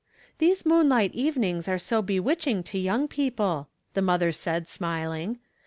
" These moonlight evenings are so bewitching to young people," the mother said, smiling.